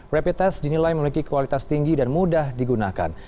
rapid test dinilai memiliki kualitas tinggi dan mudah digunakan